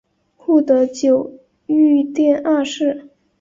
护得久御殿二世。